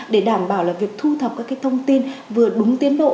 để đảm bảo là việc thu thập các cái thông tin vừa đúng tiến bộ